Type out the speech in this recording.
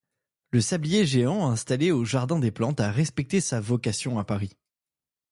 Le sablier géant installé au Jardin des plantes a respecté sa vocation à Paris.